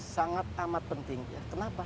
sangat amat penting kenapa